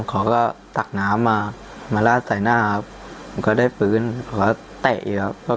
เขาก็ตักน้ำมามาลาดใส่หน้าครับมันก็ได้ปืนก็เตะอีกครับ